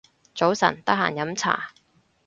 早晨，得閒飲茶